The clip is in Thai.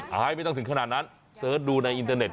ไม่ต้องถึงขนาดนั้นเสิร์ชดูในอินเทอร์เน็